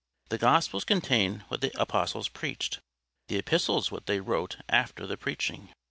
The Gospels contain what the apostles preached—the Epistles what they wrote after the preaching.